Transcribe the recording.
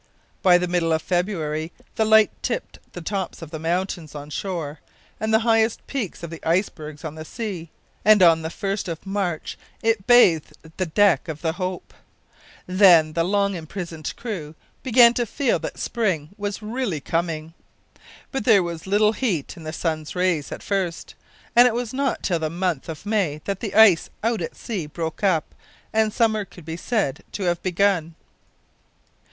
By the middle of February the light tipped the tops of the mountains on shore, and the highest peaks of the ice bergs on the sea, and on the 1st of March it bathed the deck of the Hope. Then the long imprisoned crew began to feel that spring was really coming. But there was little heat in the sun's rays at first, and it was not till the month of May that the ice out at sea broke up and summer could be said to have begun.